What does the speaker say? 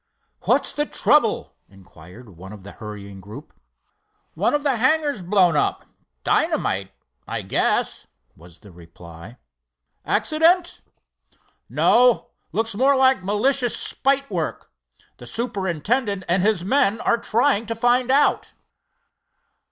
"What's the trouble?" inquired one of the hurrying group. "One of the hangars blown up—dynamite, I guess," was the reply. "Accident?" "No, looks more like malicious spitework. The superintendent and his men are trying to find out."